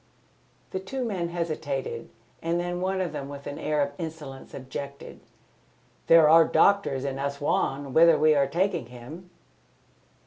The two men hesitated, and then one of them with an air of insolence objected. "There are doctors in Assouan, whither we are taking him."